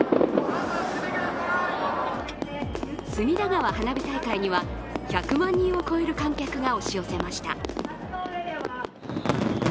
隅田川花火大会には１００万人を超える観客が押し寄せました。